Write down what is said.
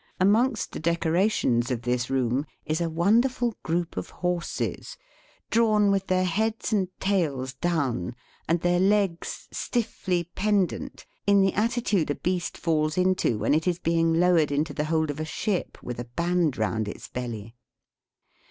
Amongst the decorations of this room is a wonderful group of horses, drawn with their heads and tails down, and their legs stiffly pendant, in the attitude a beast falls into when it is being lowered into the hold of a ship with a band round its belly.